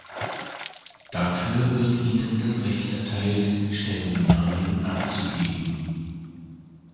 Dafür wird ihnen das Recht erteilt, Stellungnahmen abzugeben.